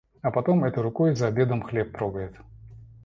А потом этой рукой за обедом хлеб трогает.